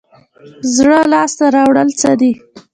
زړه لاس ته راوړل څه دي؟